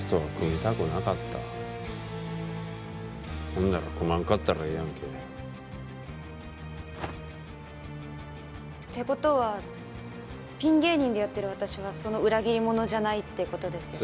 ほんなら組まんかったらええやんけ。って事はピン芸人でやってる私はその裏切り者じゃないって事ですよね。